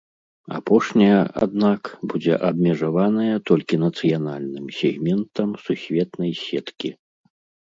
Апошняя, аднак, будзе абмежаваная толькі нацыянальным сегментам сусветнай сеткі.